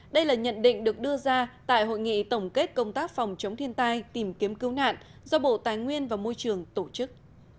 đây là nhận định được đưa ra tại hội nghị tổng kết công tác phòng chống thiên tai tìm kiếm cứu nạn do bộ tài nguyên và môi trường tổ chức